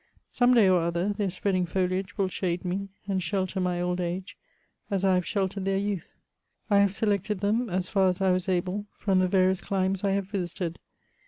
Some day or other, their spreading foliage will shade me, and shelter my old age as I have sheltered their youth. I have selected them, as far as I was able, from the various climes I have visited.